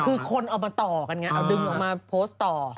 คือคนเอามาต่อกันไงเอาดึงออกมาโพสต์ต่อ